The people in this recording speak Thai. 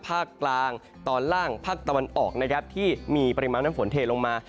ภาคกลางตอนล่างภาคตะวันออกนะครับที่มีปริมาณน้ำฝนเทลงมา